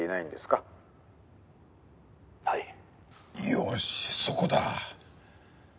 よしそこだ。